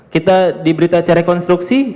kita di berita acara rekonstruksi